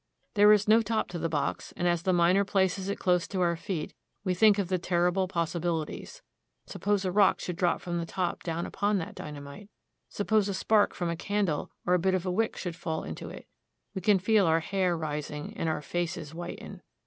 There is no top to the box, and as the miner places it close to our feet, we think of the terrible possi bilities. Suppose a rock should drop from the top down upon that dynamite ! Suppose a spark from a candle or a bit of wick should fall into it! We can feel our hair rising and our faces whiten.